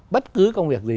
bất cứ công việc gì